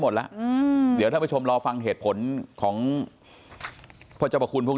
หมดละเดี๋ยวเราไปชมรอฟังเหตุผลของพ่อเจ้าประคุณพวก